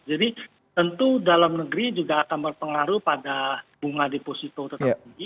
jadi tentu dalam negeri juga akan berpengaruh pada bunga deposito tetap tinggi